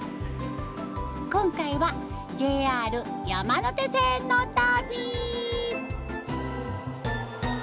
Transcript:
今回はＪＲ山手線の旅！